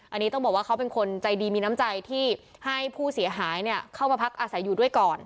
อันนี้ต้องบอกว่าเขาเป็นคนใจดีมีน้ำใจที่ให้ผู้เสียหายเข้ามาพักอาศัยอยู่ด้วยก่อน